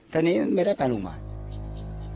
ตอนนี้ไม่ได้ไปโรงพยาบาล